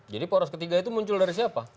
jadi poros ketiga itu muncul dari siapa